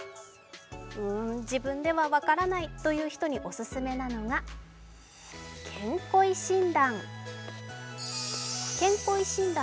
うーん、自分では分からないという人にお勧めなのが健恋診断。